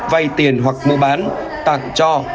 vay tiền hoặc mua bán tặng cho